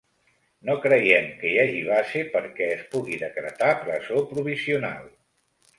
No creiem que hi hagi base perquè es pugui decretar presó provisional.